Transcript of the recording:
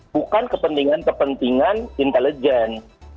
bukan kepentingan kepentingan intelijen